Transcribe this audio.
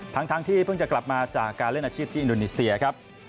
ทั้งที่เพิ่งจะกลับมาจากการเล่นอาชีพที่อินโดนีเซียครับ